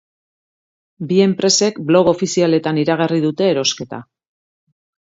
Bi enpresek blog ofizialetan iragarri dute erosketa.